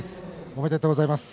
おめでとうございます。